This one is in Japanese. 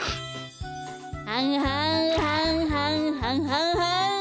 はんはんはんはんはんはんはん。